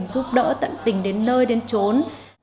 giúp đỡ tận tình đến nơi đến chốn